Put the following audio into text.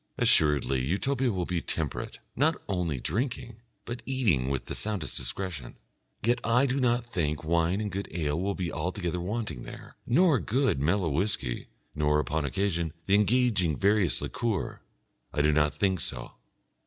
Assuredly Utopia will be temperate, not only drinking, but eating with the soundest discretion. Yet I do not think wine and good ale will be altogether wanting there, nor good, mellow whisky, nor, upon occasion, the engaging various liqueur. I do not think so.